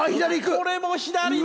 これも左だ！